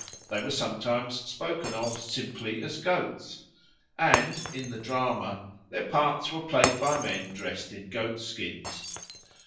They were sometimes spoken of simply as goats; and in the drama their parts were played by men dressed in goatskins.